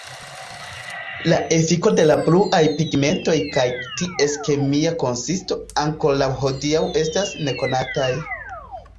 La efiko de la bluaj pigmentoj kaj ties kemia konsisto ankoraŭ hodiaŭ estas nekonataj.